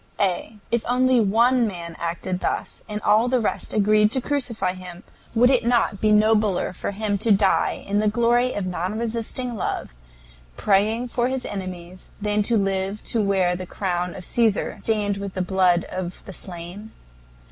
A. If only one man acted thus, and all the rest agreed to crucify him, would it not be nobler for him to die in the glory of non resisting love, praying for his enemies, than to live to wear the crown of Caesar stained with the blood of the slain?